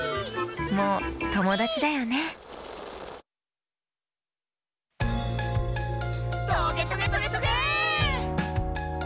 もうともだちだよね「トゲトゲトゲトゲェー！！」